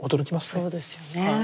そうですよね。